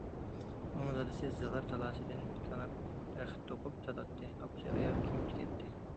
ئۇنىڭ دادىسى زىغىر تالاسىدىن كاناپ رەخت توقۇپ ساتاتتى، ئاپىسى ئاياغ كىيىم تىكەتتى.